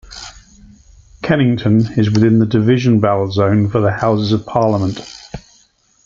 Kennington is within the Division bell zone for the Houses of Parliament.